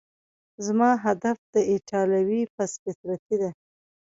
زما هدف د ده ایټالوي پست فطرتي ده.